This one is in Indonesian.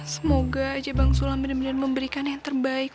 semoga aja bang sula bener bener memberikan yang terbaik